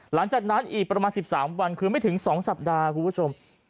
หลังจากนั้นอีกประมาณ๑๓วันคือไม่ถึง๒สัปดาห์คุณผู้ชม